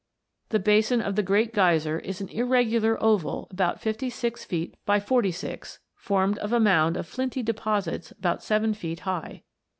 The basin of the WATER BEWITCHED. 173 Great Geyser is an irregular oval, about fifty six feet by forty six, formed of a mound of flinty de posits about seven feet high.